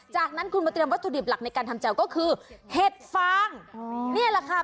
จากนั้นคุณมาเตรียมวัตถุดิบหลักในการทำแจ่วก็คือเห็ดฟางนี่แหละค่ะ